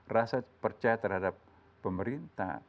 rasa percaya terhadap pemerintah